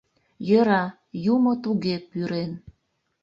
Йӧра, юмо туге пӱрен.